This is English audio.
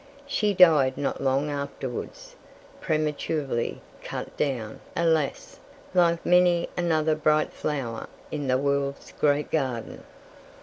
She died not long afterwards, prematurely cut down, alas! like many another bright flower in the world's great garden.